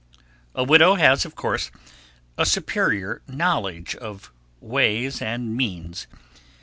A widow has, of course, a superior knowledge of ways and means.